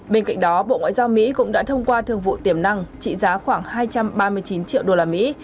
bên cạnh đó bộ ngoại giao mỹ cũng đã thông qua thương vụ tiềm năng trị giá khoảng hai trăm ba mươi chín triệu đô la mỹ